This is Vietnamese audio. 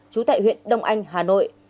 chú tại huyện đông anh hà nội